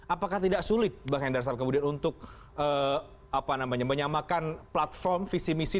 apakah tidak sulit mbak hendra untuk menyamakan platform visi misi